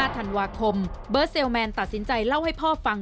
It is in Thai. ธันวาคมเบิร์ดเซลแมนตัดสินใจเล่าให้พ่อฟัง